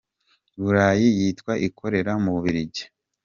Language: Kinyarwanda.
Burayi yitwa ikorera mu Bubiligi.